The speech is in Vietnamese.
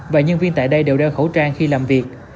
và nhân viên tại đây đều đeo khẩu trang khi làm việc